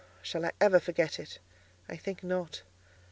Shall I ever forget it? I think not.